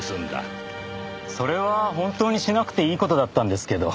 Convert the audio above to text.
それは本当にしなくていい事だったんですけど。